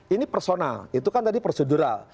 ini personal itu kan tadi prosedural